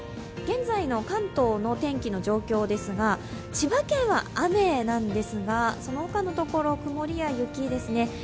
現在の関東の天気の状況ですが、千葉県は雨なんですが、そのほかのところ、曇りや雪ですね。